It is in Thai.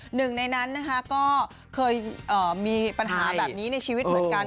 หนึ่งในนั้นนะคะก็เคยมีปัญหาแบบนี้ในชีวิตเหมือนกัน